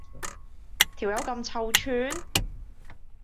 條友咁臭串？